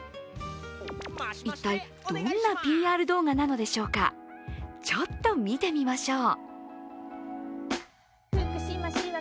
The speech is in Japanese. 一体、どんなＰＲ動画なのでしょうかちょっと見てみましょう。